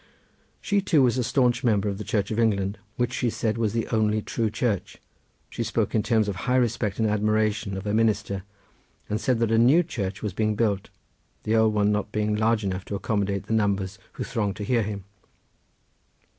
She too was a staunch member of the Church of England, which she said was the only true church. She spoke in terms of high respect and admiration of her minister, and said that a new church was being built, the old one not being large enough to accommodate the numbers who thronged to hear him.